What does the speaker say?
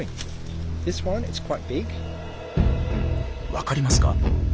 わかりますか？